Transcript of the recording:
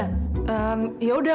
hmm ya udah